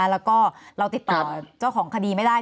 แล้วก็เราติดต่อเจ้าของคดีไม่ได้